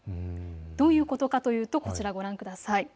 どういうことか言うと、こちらをご覧ください。